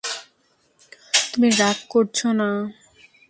তুমি রাগ করছ না।